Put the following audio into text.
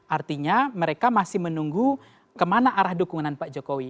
artinya mereka masih menunggu kemana arah dukungan pak jokowi